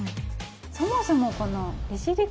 そもそもこの。